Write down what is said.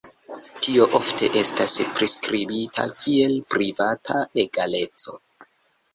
Tio ofte estas priskribita kiel privata egaleco.